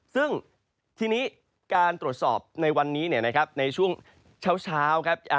ซึ่งทีนี้การตรวจสอบในวันนี้ในช่วงเช้าครับ